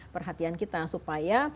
perhatian kita supaya